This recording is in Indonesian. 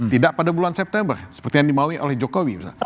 tidak pada bulan september seperti yang dimaui oleh jokowi misalnya